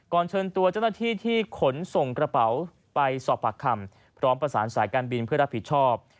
เชิญตัวเจ้าหน้าที่ที่ขนส่งกระเป๋าไปสอบปากคำพร้อมประสานสายการบินเพื่อรับผิดชอบ